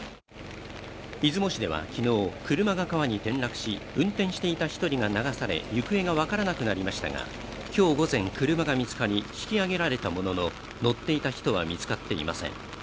出雲市では昨日、車が川に転落し運転していた１人が流され、行方が分からなくなりましたが、今日午前、車が見つかり引き揚げられたものの、乗っていた人は見つかっていません。